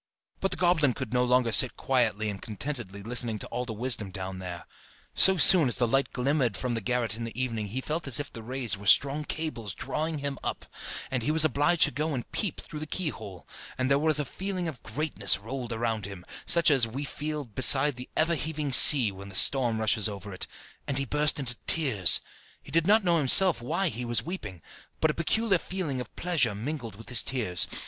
But the goblin could no longer sit quietly and contentedly listening to all the wisdom down there: so soon as the light glimmered from the garret in the evening he felt as if the rays were strong cables drawing him up, and he was obliged to go and peep through the keyhole; and there a feeling of greatness rolled around him, such as we feel beside the ever heaving sea when the storm rushes over it, and he burst into tears! He did not know himself why he was weeping, but a peculiar feeling of pleasure mingled with his tears.